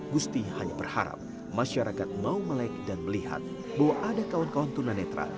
gusti hanya berharap masyarakat mau melek dan melihat bahwa ada kawan kawan tunanetra